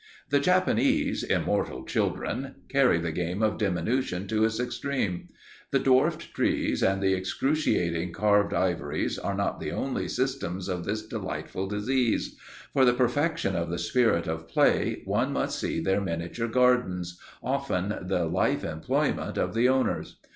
The Japanese, immortal children, carry the game of diminution to its extreme. The dwarfed trees and the excruciating carved ivories are not the only symptoms of this delightful disease; for the perfection of the spirit of play one must see their miniature gardens, often the life employment of the owners.